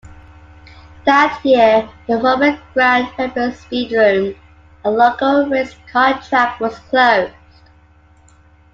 That year, the former Grand Rapids Speedrome, a local race car track was closed.